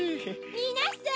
・みなさん！